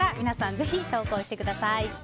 ぜひ投稿してください。